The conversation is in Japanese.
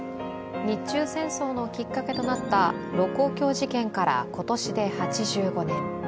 日中戦争のきっかけとなった盧溝橋事件から今年で８５年。